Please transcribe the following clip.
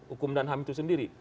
hukum dan ham itu sendiri